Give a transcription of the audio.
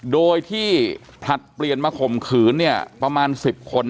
โดยที่ผลัดเปลี่ยนมาข่มขืนเนี่ยประมาณ๑๐คน